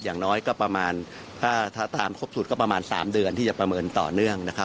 อย่างน้อยก็ประมาณถ้าตามครบสุดก็ประมาณ๓เดือนที่จะประเมินต่อเนื่องนะครับ